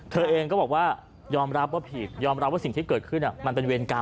เธอเองก็บอกว่ายอมรับว่าผิดยอมรับว่าสิ่งที่เกิดขึ้นมันเป็นเวรกรรม